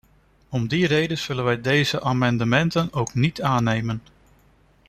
Om die reden zullen wij deze amendementen ook niet aannemen.